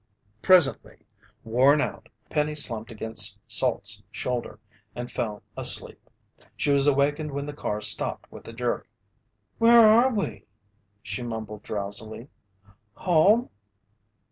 Presently, worn out, Penny slumped against Salt's shoulder and fell asleep. She was awakened when the car stopped with a jerk. "Where are we?" she mumbled drowsily. "Home?"